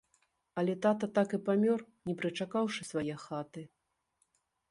Але тата так і памёр, не прычакаўшы свае хаты.